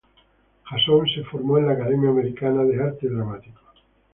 Jason se formó en la Academia Americana de Arte Dramático.